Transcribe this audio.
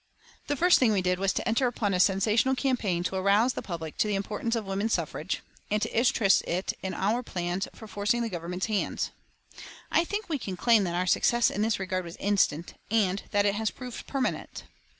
The first thing we did was to enter upon a sensational campaign to arouse the public to the importance of woman suffrage, and to interest it in our plans for forcing the Government's hands. I think we can claim that our success in this regard was instant, and that it has proved permanent.